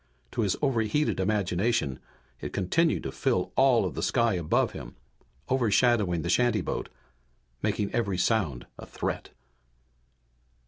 To his overheated imagination it continued to fill all of the sky above him, overshadowing the shantyboat, making every sound a threat.